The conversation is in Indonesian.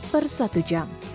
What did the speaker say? per satu jam